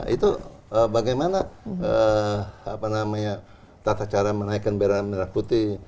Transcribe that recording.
itu bagaimana tata cara menaikkan bela negara putih